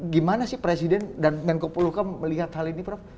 gimana sih presiden dan menko polukam melihat hal ini prof